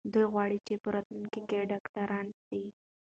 دوی غواړي چې په راتلونکي کې ډاکټران سي.